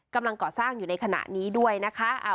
กำลังก่อสร้างอยู่ในขณะนี้ด้วยนะคะ